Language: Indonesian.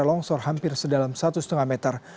longsor hampir sedalam satu lima meter